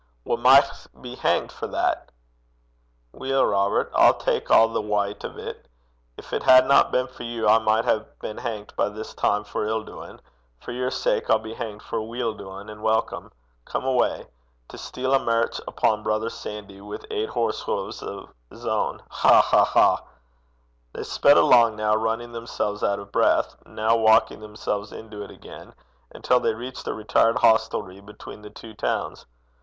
'We micht be hanged for that.' 'Weel, Robert, I'll tak a' the wyte o' 't. Gin it hadna been for you, I micht ha' been hangt by this time for ill doin': for your sake I'll be hangt for weel doin', an' welcome. Come awa'. To steal a mairch upo' brither Sandy wi' aucht (eight) horse huves o' 's ain! Ha! ha! ha!' They sped along, now running themselves out of breath, now walking themselves into it again, until they reached a retired hostelry between the two towns.